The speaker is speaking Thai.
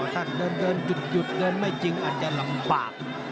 ถ้าเดินหยุดเดินไม่จริงอาจจะลำบาก